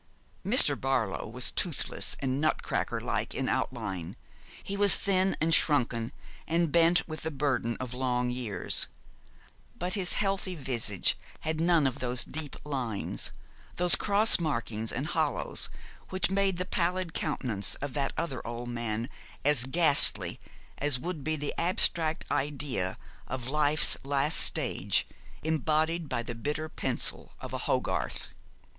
Mr. Barlow was toothless and nut cracker like of outline; he was thin and shrunken, and bent with the burden of long years, but his healthy visage had none of those deep lines, those cross markings and hollows which made the pallid countenance of that other old man as ghastly as would be the abstract idea of life's last stage embodied by the bitter pencil of a Hogarth.